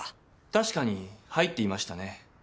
確かに入っていましたね。